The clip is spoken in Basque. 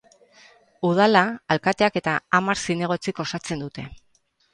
Udala alkateak eta hamar zinegotzik osatzen dute.